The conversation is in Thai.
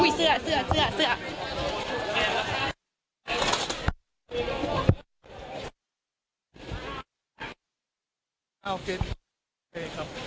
อุ้ยเสื้อเสื้อเสื้อ